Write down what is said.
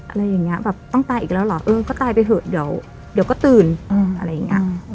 อะไรอย่างนี้แบบต้องตายอีกแล้วเหรอเออก็ตายไปเถอะเดี๋ยวก็ตื่นอะไรอย่างนี้